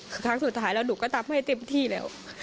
ครั้งสุดท้ายแล้วหนูก็ตั๊บไม่เต็มที่แล้ว